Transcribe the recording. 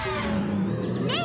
ねえ。